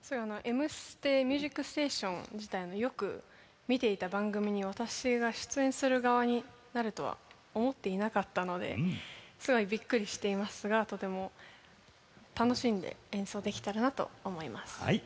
「ミュージックステーション」自体よく見ていた番組に私が出演する側になるとは思っていなかったのですごいビックリしていますがとても楽しんで演奏できたらなと思います。